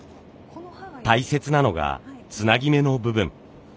大切なのがつなぎ目の部分。